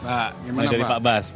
pak bagaimana pak